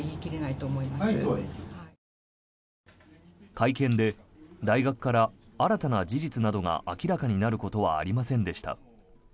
会見で大学から新たな事実が明らかになることはありませんでした。